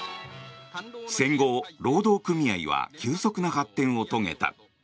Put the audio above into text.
戦後、労働組合は急速な発展を遂げた。